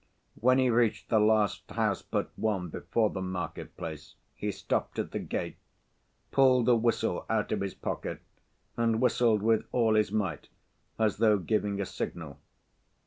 When he reached the last house but one before the market‐place he stopped at the gate, pulled a whistle out of his pocket, and whistled with all his might as though giving a signal.